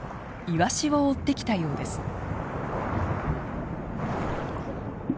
イワシを追ってきたようです。